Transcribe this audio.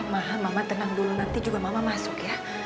maha mama tenang dulu nanti juga mama masuk ya